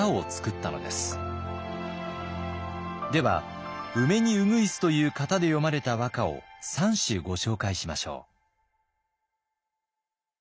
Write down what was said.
では「梅に鶯」という型で詠まれた和歌を３首ご紹介しましょう。